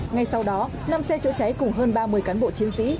ngay sau đó năm xe chữa cháy cùng hơn ba mươi cán bộ chiến sĩ